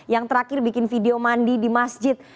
yang terakhir bikin video mandi di masjid